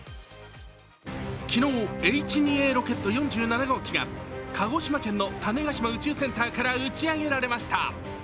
昨日、Ｈ２Ａロケット４７号機が鹿児島県の種子島宇宙センターから打ち上げられました。